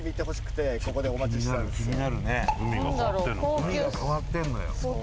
海が変わってんのよ